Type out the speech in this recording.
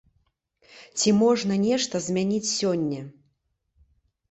Ці можна нешта змяніць сёння?